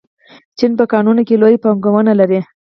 چین په کانونو کې لویه پانګونه لري.